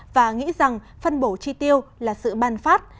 và nghĩ rằng phân bổ chi tiêu là sự ban phát